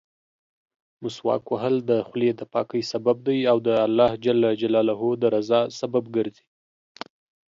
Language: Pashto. مسواک وهل د خولې دپاکۍسبب دی او د الله جل جلاله درضا سبب ګرځي.